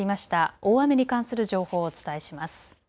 大雨に関する情報をお伝えします。